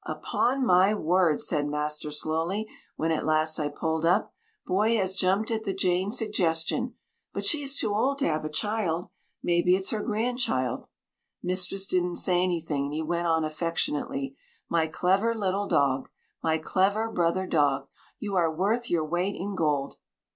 "Upon my word," said master slowly, when at last I pulled up. "Boy has jumped at the Jane suggestion but she is too old to have a child. Maybe it's her grandchild." Mistress didn't say anything, and he went on affectionately, "My clever little dog my clever brother dog. You are worth your weight in gold."